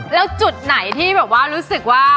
แล้วจุดไหนที่แบบว่ารู้สึกว่า